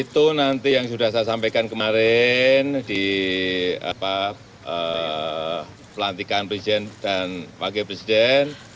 itu nanti yang sudah saya sampaikan kemarin di pelantikan presiden dan wakil presiden